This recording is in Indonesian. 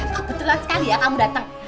kebetulan sekali ya kamu datang